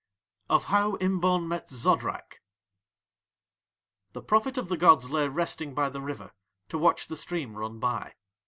OF HOW IMBAUN MET ZODRAK The prophet of the gods lay resting by the river to watch the stream run by.